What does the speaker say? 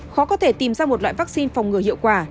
khó có thể tìm ra một loại vaccine phòng ngừa hiệu quả